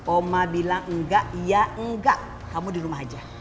oma bilang enggak iya enggak kamu di rumah aja